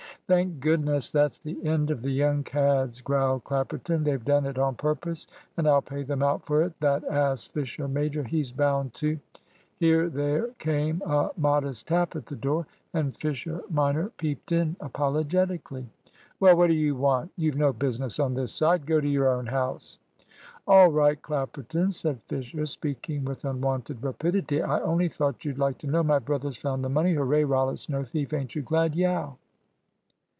"Thank goodness that's the end of the young cads!" growled Clapperton. "They've done it on purpose; and I'll pay them out for it. That ass, Fisher major, he's bound to " Here there came a modest tap at the door, and Fisher minor peeped in, apologetically. "Well, what do you want? You've no business on this side; go to your own house." "All right, Clapperton," said Fisher, speaking with unwonted rapidity. "I only thought you'd like to know my brother's found the money. Hurray! Rollitt's no thief; ain't you glad? Yeow!"